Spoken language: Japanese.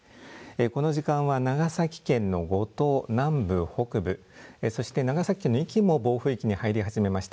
この時間は長崎県の五島南部北部そして長崎の壱岐も暴風域に入り始めました。